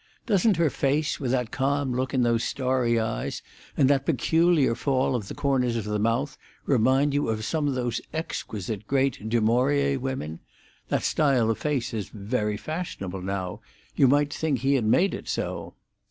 Doesn't her face, with that calm look in those starry eyes, and that peculiar fall of the corners of the mouth, remind you of some of those exquisite great Du Maurier women? That style of face is very fashionable now: you might think he had made it so."